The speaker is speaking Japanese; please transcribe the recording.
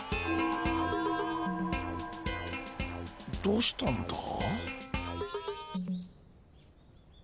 どうしたんだ？